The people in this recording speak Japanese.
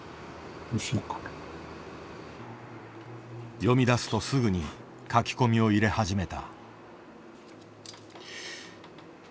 読みだすとすぐに書き込みを入れ始めた。